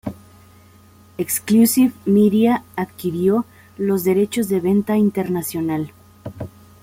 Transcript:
Exclusive Media adquirió los derechos de venta internacional.